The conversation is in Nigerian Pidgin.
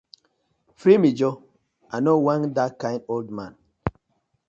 Free me joor, I no wan dat kind old man.